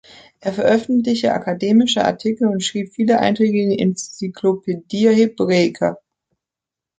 Er veröffentlichte akademische Artikel und schrieb viele Einträge in der "Encyclopaedia Hebraica".